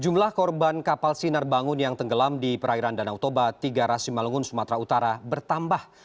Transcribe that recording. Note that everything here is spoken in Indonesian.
jumlah korban kapal sinar bangun yang tenggelam di perairan danau toba tiga rasi malungun sumatera utara bertambah